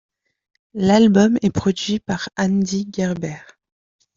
L'album est produit par Andy Gerber.